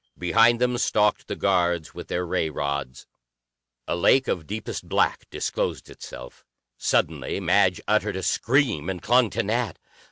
Behind them stalked the guards with their ray rods. A lake of deepest black disclosed itself. Suddenly Madge uttered a scream and clung to Nat.